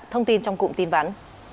thông tin trong cụm tin vắn